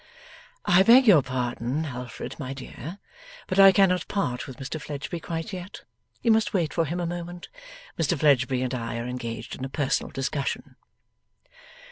'I beg your pardon, Alfred, my dear, but I cannot part with Mr Fledgeby quite yet; you must wait for him a moment. Mr Fledgeby and I are engaged in a personal discussion.